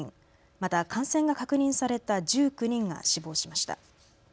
また感染が確認された１９人が死亡しました。